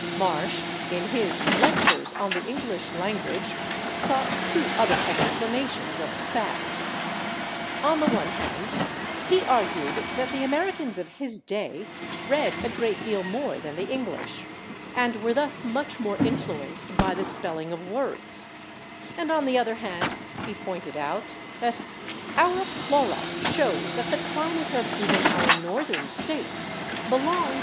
Marsh, in his "Lectures on the English Language," sought two other explanations of the fact. On the one hand, he argued that the Americans of his day read a great deal more than the English, and were thus much more influenced by the spelling of words, and on the other hand he pointed out that "our flora shows that the climate of even our Northern States belongs